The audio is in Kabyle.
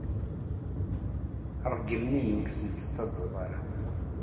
Ṛeggem-iyi ur ten-tettadud ara.